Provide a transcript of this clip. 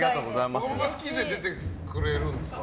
好きで出てくれるんですか？